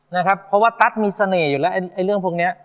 นะครับเพราะว่าตั๊ดมีเสน่ห์อยู่แล้วไอ้เรื่องพวกนี้